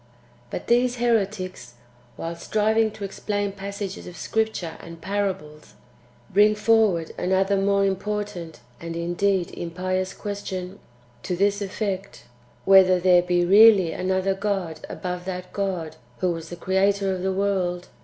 2. But these [heretics], while striving to explain passages of Scripture and parables, bring forward another more im portant, and indeed impious question, to this effect, ^'Whether there be really another God above that God who was the creator of the world?"